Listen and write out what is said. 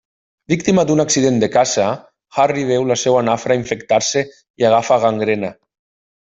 Víctima d'un accident de caça, Harry veu la seva nafra infectar-se i agafa gangrena.